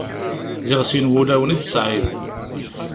Ziɣ sin wulawen i tesɛiḍ.